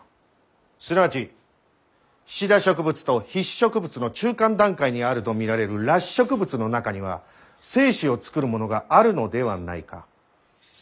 すなわちシダ植物と被子植物の中間段階にあると見られる裸子植物の中には精子を作るものがあるのではないか。